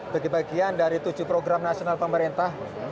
bagi bagian dari tujuh program nasional pemerintah